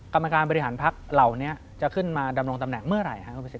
กรรมการบริหารพักเราเนี่ยจะขึ้นมาดำรงตำแหน่งเมื่อไหร่